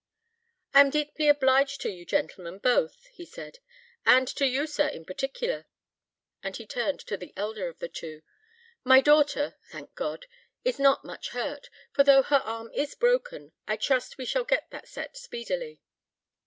"I am deeply obliged to you, gentlemen, both," he said; "and to you, sir, in particular;" and he turned to the elder of the two. "My daughter, thank God! is not much hurt; for though her arm is broken, I trust we shall get that set speedily."